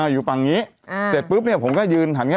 อยู่ฝั่งนี้